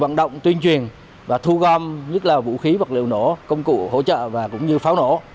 vận động tuyên truyền và thu gom nhất là vũ khí vật liệu nổ công cụ hỗ trợ và cũng như pháo nổ